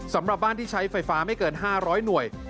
สำหรับบ้านที่ใช้ไฟฟ้าไม่เกิน๕๐๐หน่วย